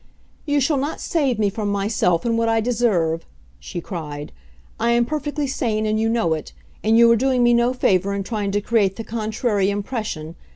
"You shall not save me from myself and what I deserve," she cried. "I am perfectly sane and you know it, and you are doing me no favor in trying to create the contrary impression.